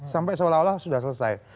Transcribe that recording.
sampai seolah olah sudah selesai